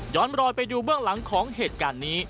รอยไปดูเบื้องหลังของเหตุการณ์นี้